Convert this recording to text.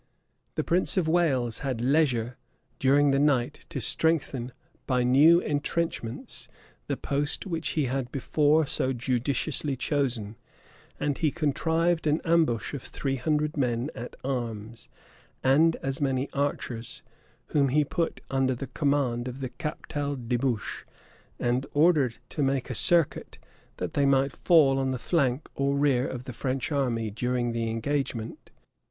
The prince of Wales had leisure, daring the night, to strengthen, by new intrenchments, the post which he had before so judiciously chosen; and he contrived an ambush of three hundred men at arms, and as many archers, whom he put under the command of the Captal de Buche, and ordered to make a circuit, that they might fall on the flank or rear of the French army during the engagement.